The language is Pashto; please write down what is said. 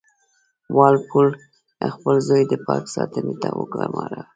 وال پول خپل زوی د پارک ساتنې ته وګوماره.